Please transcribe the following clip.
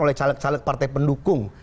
oleh caleg caleg partai pendukung